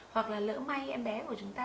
hoặc là lỡ may em bé của chúng ta